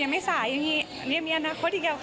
ไม่มีเวลาคิดมาก